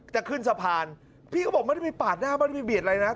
จะขึ้นสะพานพี่เขาบอกไม่ได้มีปากหน้าไม่ได้มีเบียดอะไรนะครับ